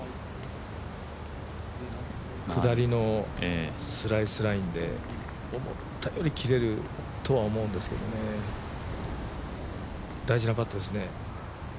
下りのスライスラインで思ったより切れるとは思うんですけどね、大事なパットですね。